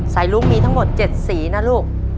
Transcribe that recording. สายลุ้งมีทั้งหมดเจ็ดสีนะลูก